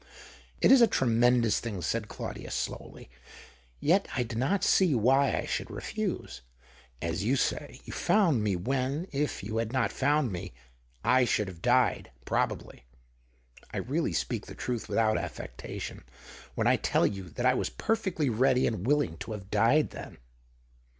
" It is a tremendous thing," said Claudius, slowly. "Yet I do not see why I should refuse. As you say, you found me when — if you had not found me —I should have died, probably. I really speak the truth without affectation, when I tell you that I was perfectly ready and willing to have died then.